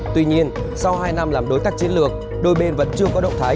tuy nhiên sau hai năm làm đối tác chiến lược đôi bên vẫn chưa có động thái